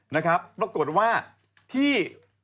นะครับปรากฏว่าที่